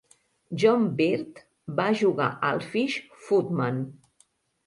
John Bird va jugar al Fish Footman.